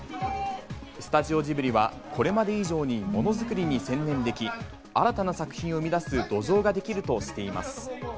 スタジオジブリは、これまで以上にもの作りに専念でき、新たな作品を生み出す土壌ができるとしています。